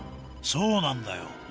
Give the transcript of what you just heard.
そうなんだよ。